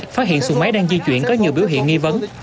phát hiện xuồng máy đang di chuyển có nhiều biểu hiện nghi vấn